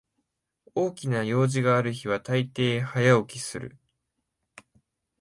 大きな用事がある日はたいてい早起きする